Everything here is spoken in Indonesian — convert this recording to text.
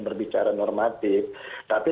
berbicara normatif tapi